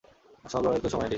সব লড়াই তো সময়েরই।